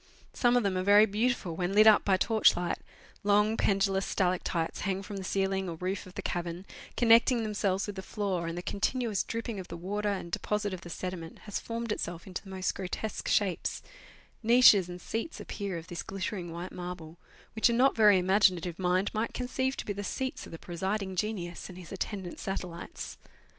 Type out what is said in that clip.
Some of them are very beautiful when lit up by torchlight ; long, pendulous stalactites hang from the ceiling or roof of the cavern, connecting themselves with the floor, and the continuous dripping of the water and deposit of the Letters from Victorian Pioneers. 249 sediment has formed itself into the most grotesque shapes ; niches and seats appear of this glittering white marble, which a not very imaginative mind might conceive to be the seats of the presiding genius and his attendant satellites.